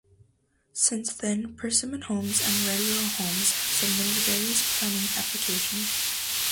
Since then Persimmon Homes and Redrow Homes have submitted various planning applications.